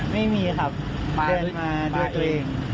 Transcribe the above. ไม่มีครับมาด้วยตัวเอง